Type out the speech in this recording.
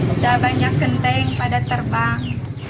udah banyak genteng pada terbang